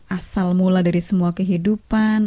asal mula dari semua kehidupan